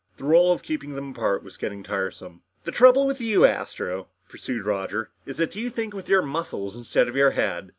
The role of keeping them apart was getting tiresome. "The trouble with you, Astro," pursued Roger, "is that you think with your muscles instead of your head."